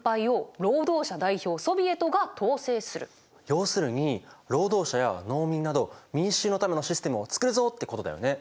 要するに労働者や農民など民衆のためのシステムを作るぞ！ってことだよね。